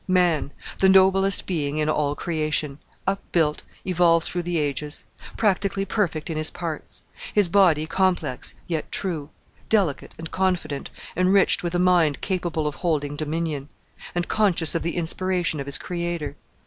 Man, the noblest being in all creation; upbuilt, evolved through the ages; practically perfect in his parts: his body complex yet true; delicate and confident, enriched with a mind capable of holding dominion; and conscious of the inspiration of his Creator.